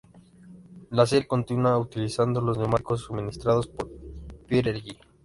La serie continúa utilizando los neumáticos suministrados por Pirelli.